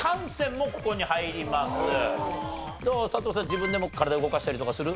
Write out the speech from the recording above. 自分でも体動かしたりとかする？